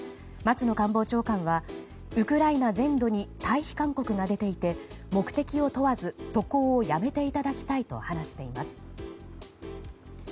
松野官房長官はウクライナ全土に退避勧告が出ていて目的を問わず渡航をやめていただきたいと話しています。